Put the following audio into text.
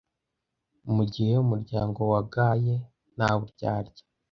mugihe umuryango wugaye nta buryarya.